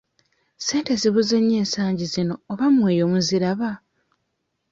Ssente zibuze nnyo ensangi zino oba mmwe eyo muziraba?